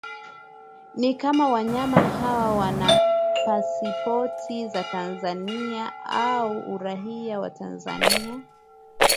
ni kama wanyama hawa wana pasipoti za Tanzania au uraia wa Tanzania